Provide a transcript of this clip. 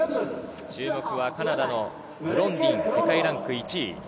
注目はカナダのブロンディン、世界ランキング１位。